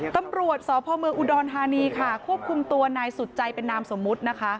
ตำรวจสพเมืองอุดรธานีค่ะควบคุมตัวนายสุดใจเป็นนามสมมุตินะคะ